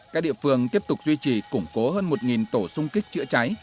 các địa phương tiếp tục duy trì củng cố hơn một tổ sung kích chữa cháy